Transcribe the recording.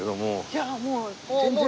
いやあもう全然。